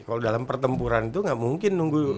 kalau dalam pertempuran itu gak mungkin